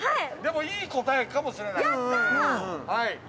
でも、いい答えかもしれない。